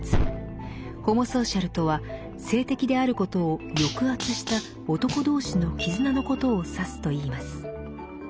ホモソーシャルとは性的であることを抑圧した男同士の絆のことを指すといいます。